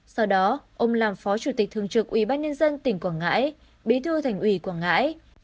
sau đó ông làm phó chủ tịch thường trực ubnd tỉnh quảng ngãi bí thư thành ủy quảng ngãi